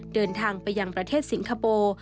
เดินทางไปยังประเทศสิงคโปร์